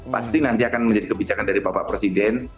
pasti nanti akan menjadi kebijakan dari bapak presiden